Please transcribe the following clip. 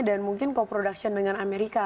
dan mungkin co production dengan amerika